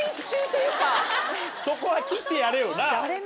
そこは切ってやれよな。